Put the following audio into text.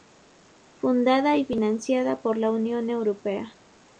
Fundada y financiada por la Unión Europea.